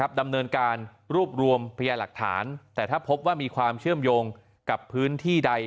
ดำเนินการรวบรวมพยาหลักฐานแต่ถ้าพบว่ามีความเชื่อมโยงกับพื้นที่ใด